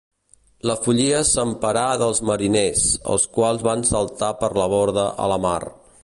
La follia s'emparà dels mariners, els quals van saltar per la borda a la mar.